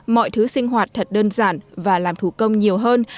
mọi thứ sinh hoạt thật đơn giản và làm thủ công nhiều hơn